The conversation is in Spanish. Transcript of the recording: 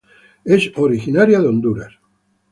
Es originaria de Honduras.